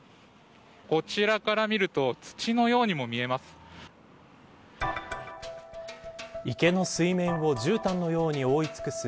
こちらから見ると土のようにも見えます。